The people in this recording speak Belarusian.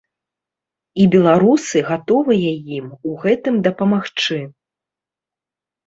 І беларусы гатовыя ім у гэтым дапамагчы.